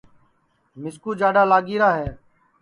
مِسکُو جاڈؔا لگی را ہے